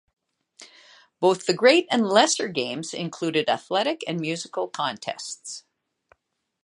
Both the great and lesser games included athletic and musical contests.